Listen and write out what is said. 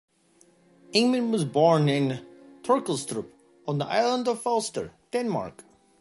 Ingemann was born in Torkilstrup, on the island of Falster, Denmark.